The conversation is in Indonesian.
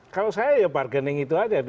kalau saya ya bargaining itu aja